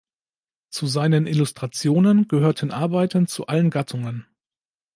Zu seinen Illustrationen gehörten Arbeiten zu allen Gattungen.